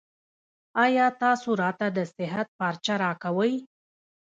ایا تاسو راته د صحت پارچه راکوئ؟